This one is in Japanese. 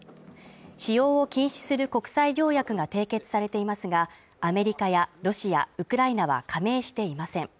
使用を禁止する国際条約が締結されていますがアメリカやロシア、ウクライナは加盟していません。